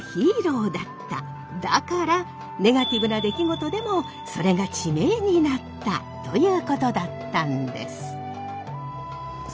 だからネガティブな出来事でもそれが地名になったということだったんです。